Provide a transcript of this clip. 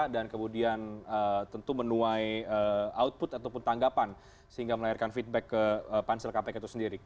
dan kemudian tentu menuai output ataupun tanggapan sehingga melayarkan feedback ke pansel kpk itu sendiri